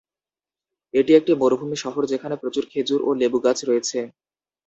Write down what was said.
এটি একটি মরুভূমি শহর যেখানে প্রচুর খেজুর ও লেবু গাছ রয়েছে।